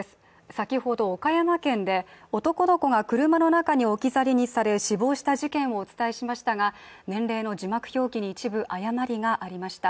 先ほど岡山県で男の子が車の中で置き去りにされ志望した事件をお伝えしましたが年齢の字幕表記に一部誤りがありました。